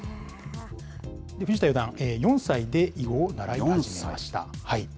藤田四段、４歳で囲碁を習い始めました。